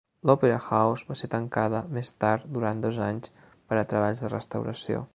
L'Òpera House va ser tancada més tard durant dos anys per a treballs de restauració.